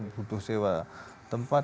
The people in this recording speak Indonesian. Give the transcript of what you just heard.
butuh sewa tempat